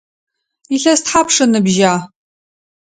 Илъэс тхьапш ыныбжьа?